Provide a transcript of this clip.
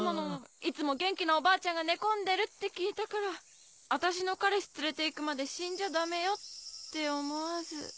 いつも元気なおばあちゃんが寝込んでるって聞いたから「私の彼氏連れて行くまで死んじゃダメよ」って思わず。